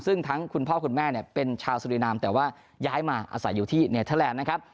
ซึ่งทั้งคุณพ่อคุณแม่เนี่ยเป็นชาวสุรินามแต่ว่าย้ายมาอาศัยอยู่ที่เนเทอร์แลนด์นะครับ